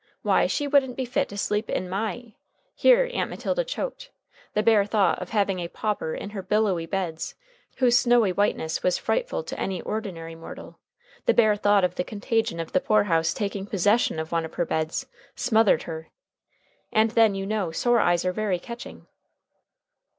Why, she wouldn't be fit to sleep in my " here Aunt Matilda choked. The bare thought of having a pauper in her billowy beds, whose snowy whiteness was frightful to any ordinary mortal, the bare thought of the contagion of the poor house taking possession of one of her beds, smothered her. "And then you know sore eyes are very catching."